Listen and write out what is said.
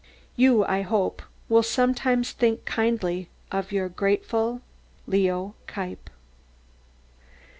You, I hope, will sometimes think kindly of your grateful LEO KNIEPP.